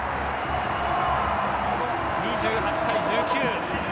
２８対１９。